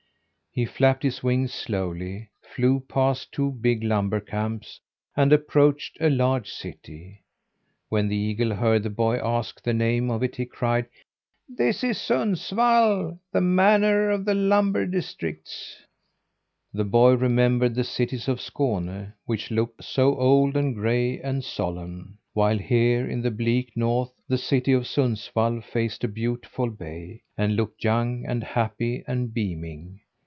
He flapped his wings slowly, flew past two big lumber camps, and approached a large city. When the eagle heard the boy ask the name of it, he cried; "This is Sundsvall, the manor of the lumber districts." The boy remembered the cities of Skåne, which looked so old and gray and solemn; while here in the bleak North the city of Sundsvall faced a beautiful bay, and looked young and happy and beaming.